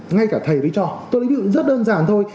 ngay cả thầy với trò tôi nghĩ rất đơn giản thôi